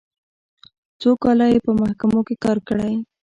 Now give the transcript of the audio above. څو کاله یې په محکمو کې کار کړی.